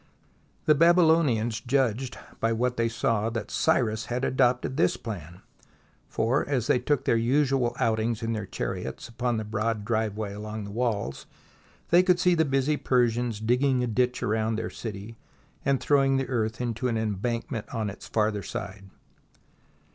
The Babylonians judged by what they saw that Cyrus had adopted this plan, for as they took their usual outings in their chariots upon the broad driveway along the walls they could see the busy Persians digging a ditch around their city and throwing the earth into an embankment on its farther side.